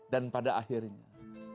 dan pada akhirnya